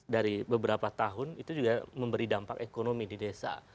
dari beberapa tahun itu juga memberi dampak ekonomi di desa